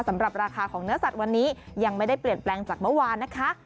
สำหรับราคาของเนื้อสัตว์วันนี้ยังไม่ได้เปลี่ยนแปลงจากเมื่อวานนะคะ